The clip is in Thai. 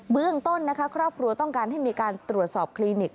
เรื่องต้นนะคะครอบครัวต้องการให้มีการตรวจสอบคลินิก